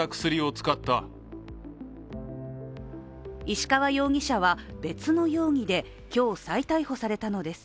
石川容疑者は別の容疑で今日、再逮捕されたのです。